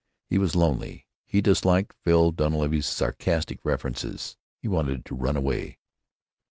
He was lonely. He disliked Phil Dunleavy's sarcastic references. He wanted to run away.